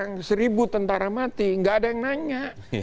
kalau perang seribu tentara mati nggak ada yang nanya